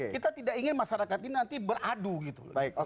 kita tidak ingin masyarakat ini nanti beradu gitu loh